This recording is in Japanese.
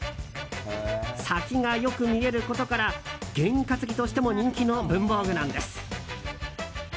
先がよく見えることから験担ぎとしても人気の文房具なんです。